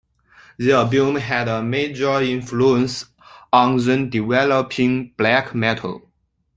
The album had a major influence on then-developing black metal.